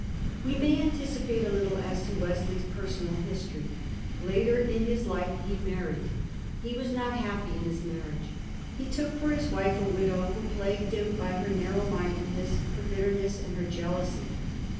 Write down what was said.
We may anticipate a little as to Wesley's personal his tory. Later in his life he married. He was not happy in his marriage. He took for his wife a widow who plagued him by her narrow mindedness, her bitterness, and her jealousy.